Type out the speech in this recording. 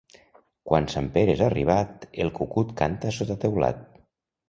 Quan Sant Pere és arribat, el cucut canta sota teulat.